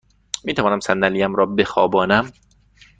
می توانم صندلی ام را بخوابانم؟